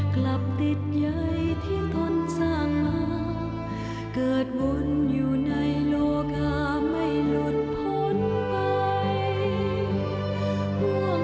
กลับติดอยู่ในความสัจจริงของเมืองแห่งใจสุดท้ายจะคืนสู่ดิน